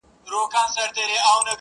بيا تس ته سپكاوى كوي بدرنگه ككــرۍ;